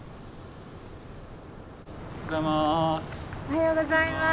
おはようございます。